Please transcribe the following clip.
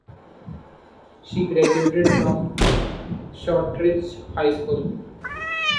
She graduated from Shortridge High School.